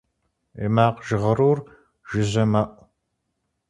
И макъ жьгъырур жыжьэ мэӀу.